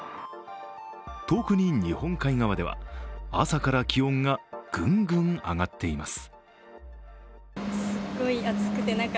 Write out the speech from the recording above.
特に日本海側では朝から気温がぐんぐん上がっています。